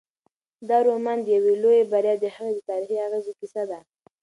دا رومان د یوې لویې بریا او د هغې د تاریخي اغېزو کیسه ده.